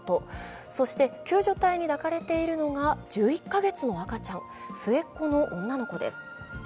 そして救助隊に抱かれているのが１１か月の赤ちゃん末っ子の女の子です。